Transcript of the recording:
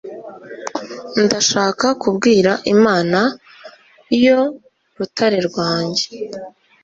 ndashaka kubwira imana, yo rutare rwanjye